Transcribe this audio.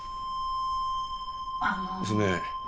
あの娘